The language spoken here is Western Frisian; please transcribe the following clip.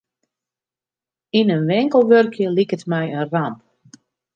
Yn in winkel wurkje liket my in ramp.